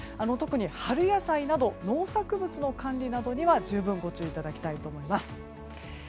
特に春野菜など農作物の管理などには十分、ご注意いただきたいと思います。